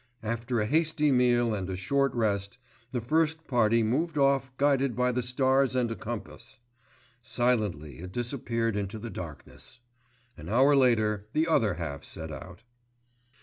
After a hasty meal and a short rest, the first party moved off guided by the stars and a compass. Silently it disappeared into the darkness. An hour later the other half set out.